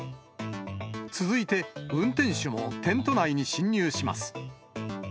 続いて、運転手もテント内に侵入します。